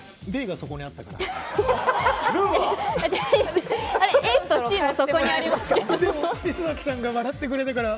Ｂがそこにあったから。